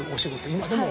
今でも。